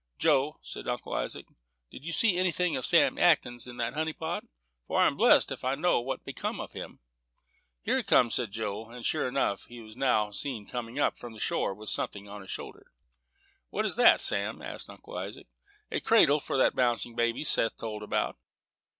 "Joe," said Uncle Isaac, "did you see anything of Sam Atkins in that honey pot? for I'm blest if I know what has become of him." "Here he comes," said Joe; and, sure enough, he was now seen coming up from the shore, with something on his shoulder. "What is that, Sam?" asked Uncle Isaac. "A cradle for that bouncing baby Seth told about."